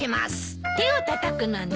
手をたたくのね！